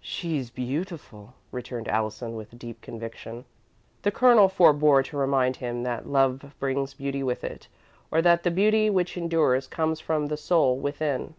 "She's beautiful," returned Allison, with deep conviction. The Colonel forebore to remind him that love brings beauty with it, or that the beauty which endures comes from the soul within.